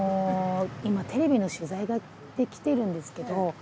今テレビの取材で来てるんですけど。